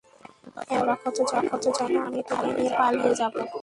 এমনভাবে অবাক হচ্ছ যেন আমি তোমায় নিয়ে পালিয়ে যাবো?